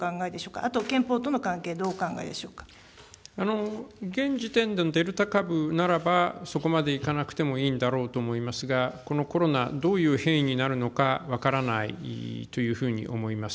あと憲法との関係、どうお考えで現時点でのデルタ株ならば、そこまでいかなくてもいいんだろうと思いますが、このコロナ、どういう変異になるのか分からないというふうに思います。